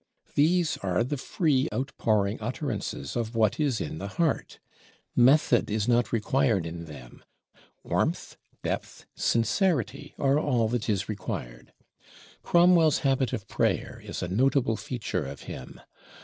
These are the free out pouring utterances of what is in the heart: method is not required in them; warmth, depth, sincerity are all that is required. Cromwell's habit of prayer is a notable feature of him.